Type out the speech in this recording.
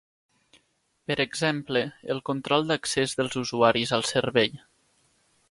Per exemple, el control d'accés dels usuaris al servei.